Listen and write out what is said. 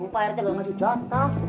sumpah airnya gak ngasih jatah